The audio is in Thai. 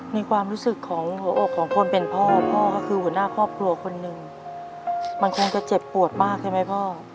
ในความรู้สึกของหัวอกของคนเป็นพ่อพ่อก็คือหัวหน้าครอบครัวคนหนึ่งมันคงจะเจ็บปวดมากใช่ไหมพ่อ